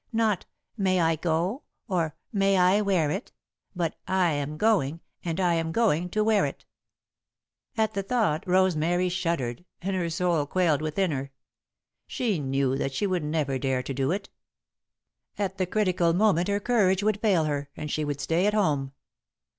Not "May I go?" or "May I wear it?" but "I am going," and "I am going to wear it." At the thought Rosemary shuddered and her soul quailed within her. She knew that she would never dare to do it. At the critical moment her courage would fail her, and she would stay at home.